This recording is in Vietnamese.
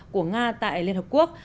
của nga tại liên hợp quốc